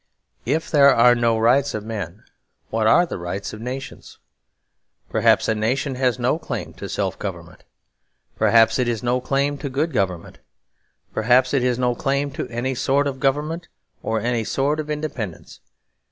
If there are no rights of men, what are the rights of nations? Perhaps a nation has no claim to self government. Perhaps it has no claim to good government. Perhaps it has no claim to any sort of government or any sort of independence.